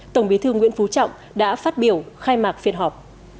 tổng bí thư nguyễn phú trọng đã phát biểu khai mạc phiên họp